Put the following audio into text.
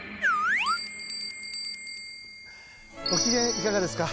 ご機嫌いかがですか？